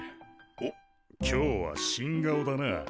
お今日は新顔だな。